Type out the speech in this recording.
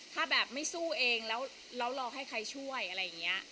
ถ้าแบบไม่สู้เองแล้วรอให้ใครช่วยอะไรอย่างนี้